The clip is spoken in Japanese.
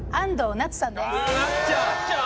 なっちゃん！？